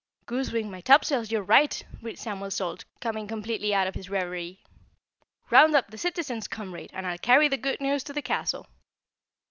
"Goosewing my topsails, you're right!" breathed Samuel Salt, coming completely out of his reverie. "Round up the citizens, comrade, and I'll carry the good news to the castle."